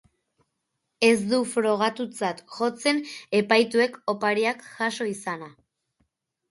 Ez du frogatutzat jotzen epaituek opariak jaso izana.